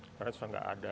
akhirnya sudah nggak ada